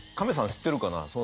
知ってるかな？